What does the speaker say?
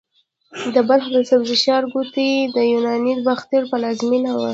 د بلخ د سبزې ښارګوټي د یوناني باختر پلازمېنه وه